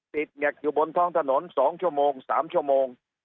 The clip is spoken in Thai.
ติดเหง็กอยู่บนท้องถนนสองชั่วโมงสามชั่วโมง